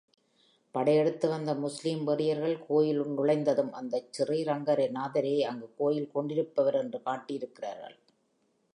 படை எடுத்து வந்த முஸ்லிம் வெறியர்கள் கோயிலுள் நுழைந்ததும் அந்தச் சிறுரங்கநாதரே அங்கு கோயில் கொண்டிருப்பவர் என்று காட்டியிருக்கிறார்கள்.